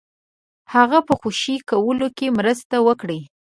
هغه په خوشي کولو کې مرسته وکړي.